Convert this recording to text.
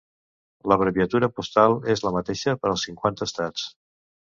L'abreviatura postal és la mateixa per als cinquanta estats.